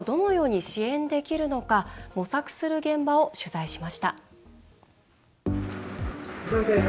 こうした中で中小企業をどのように支援できるのか模索する現場を取材しました。